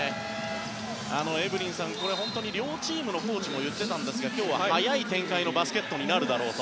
エブリンさん、両チームのコーチも言っていたんですが今日は速い展開のバスケットになるだろうと。